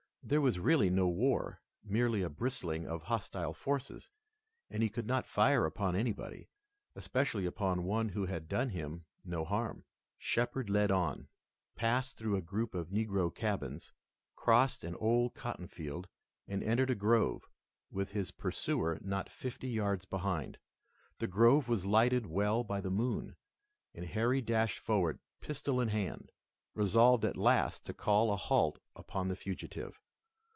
There was really no war, merely a bristling of hostile forces, and he could not fire upon anybody, especially upon one who had done him no harm. Shepard led on, passed through a group of negro cabins, crossed an old cotton field, and entered a grove, with his pursuer not fifty yards behind. The grove was lighted well by the moon, and Harry dashed forward, pistol in hand, resolved at last to call a halt upon the fugitive.